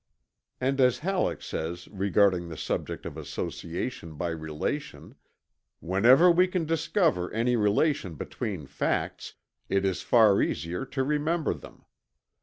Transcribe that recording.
And as Halleck says regarding the subject of association by relation: "Whenever we can discover any relation between facts, it is far easier to remember them.